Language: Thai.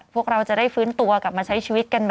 พวกเราจะได้ฟื้นตัวกลับมาใช้ชีวิตกันใหม่